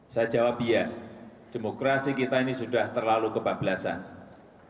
seperti yang kita lihat akhir akhir ini